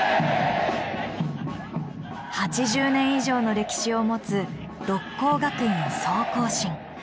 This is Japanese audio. ８０年以上の歴史を持つ六甲学院総行進。